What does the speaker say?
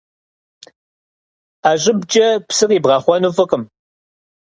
Ӏэ щӏыбкӏэ псы къибгъэхъуэну фӏыкъым.